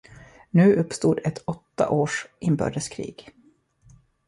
Nu uppstod ett åtta års inbördeskrig.